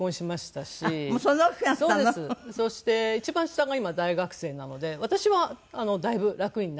そして一番下が今大学生なので私はだいぶ楽になって。